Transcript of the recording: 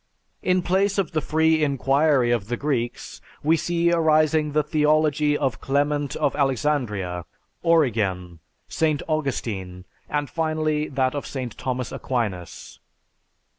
In place of the free inquiry of the Greeks we see arising the theology of Clement of Alexandria, Origen, St. Augustine, and finally that of St. Thomas Aquinas.